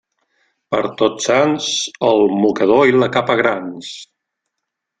Per Tots Sants, el mocador i la capa grans.